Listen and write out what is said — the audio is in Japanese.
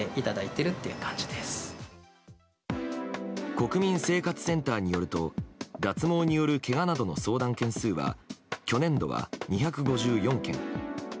国民生活センターによると脱毛によるけがなどの相談件数は去年度は２５４件。